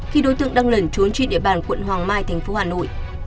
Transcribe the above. khi đối tượng đang lẩn trốn trên địa bàn quận hoàng mai tp hà nội